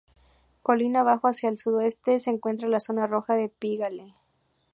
Colina abajo, hacia el sudoeste, se encuentra la zona roja de Pigalle.